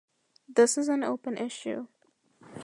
This is an open issue.